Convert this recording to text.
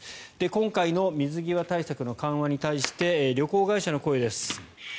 今回の水際対策の緩和に対して旅行会社の声です。